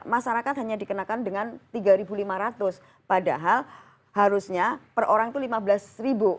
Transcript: masyarakat hanya dikenakan dengan rp tiga lima ratus padahal harusnya per orang itu lima belas ribu